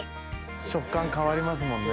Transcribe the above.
食感変わりますもんね。